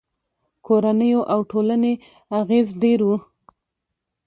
کورنیو او ټولنې اغېز ډېر و.